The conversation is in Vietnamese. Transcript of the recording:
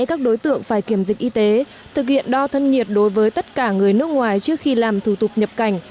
các đối tượng phải kiểm dịch y tế thực hiện đo thân nhiệt đối với tất cả người nước ngoài trước khi làm thủ tục nhập cảnh